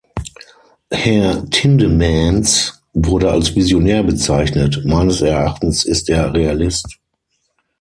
Herr Tindemans wurde als Visionär bezeichnet, meines Erachtens ist er Realist.